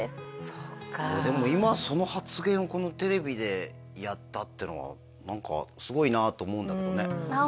そっかでも今その発言をこのテレビでやったっていうのは何かすごいなと思うんだけどねあっ